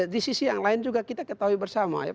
di sisi yang lain juga kita ketahui bersama ya